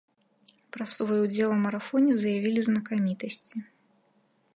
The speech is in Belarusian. Пра свой удзел у марафоне заявілі знакамітасці.